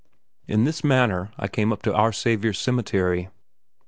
In this manner I came up to Our Saviour's Cemetery.